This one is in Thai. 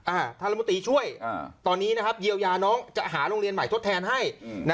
อาทาลมนตรีช่วยตอนนี้เยียวยาน้องจะหาโรงเรียนใหม่ทดแทนให้